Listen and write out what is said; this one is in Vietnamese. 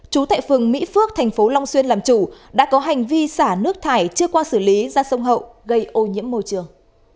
chú tại phường mỹ phước thành phố long xuyên làm chủ đã có hành vi xả nước thải chưa qua xử lý ra sông hậu gây ô nhiễm môi trường